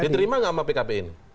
diterima gak sama pkpi ini